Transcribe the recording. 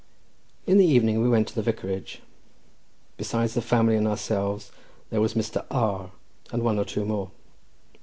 In the evening we went to the vicarage. Besides the family and ourselves, there was Mr. R—, and one or two more.